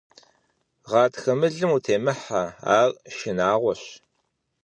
Гъатхэ мылым утемыхьэ, ар шынагъуэщ.